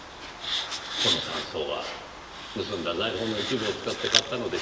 この山荘は盗んだ財宝の一部を使って買ったのでしょうねぇ。